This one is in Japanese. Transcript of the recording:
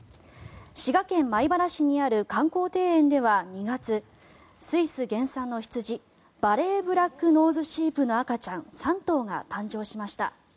滋賀県米原市にある観光庭園では２月スイス原産の羊バレーブラックノーズシープの赤ちゃん３頭が誕生しました。